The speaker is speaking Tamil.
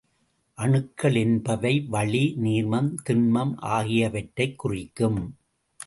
அணுக்கள் என்பவை வளி, நீர்மம், திண்மம் ஆகியவற்றைக் குறிக்கும்.